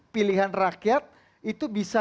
pilihan rakyat itu bisa